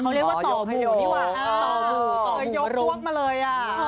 เราเรียกว่าต่อกูยกพวกมาเลย